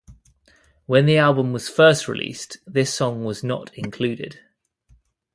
When the album was first released, this song was not included.